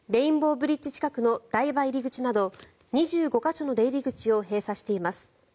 ブリッジ近くの台場入口など２５か所の出入り口を閉鎖しています。